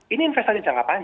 ini investasi jangka panjang